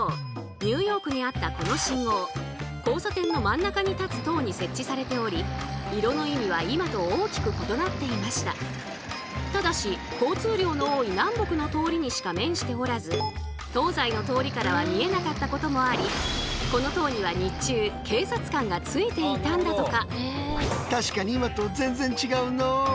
ニューヨークにあったこの信号交差点の真ん中に立つ塔に設置されておりただし交通量の多い南北の通りにしか面しておらず東西の通りからは見えなかったこともありこの塔には日中警察官がついていたんだとか。